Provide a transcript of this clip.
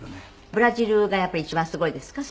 ブラジルがやっぱり一番すごいですか？